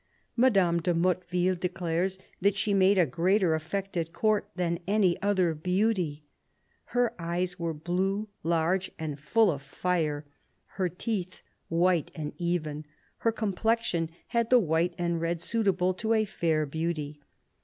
Madame de Motteville declares that she made a greater effect at Court than any other beauty. " Her eyes were blue, large, and full of fire ; her teeth white and even ; her complexion had the white and red suitable to a fair beauty."